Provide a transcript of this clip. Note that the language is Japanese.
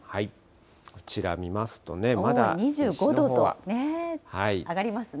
こちら見ますとね、まだ西のほう２５度と、上がりますね。